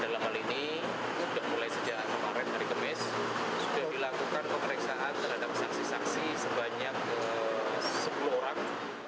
dalam hal ini sudah mulai sejak kemarin hari kemis sudah dilakukan pemeriksaan terhadap saksi saksi sebanyak sepuluh orang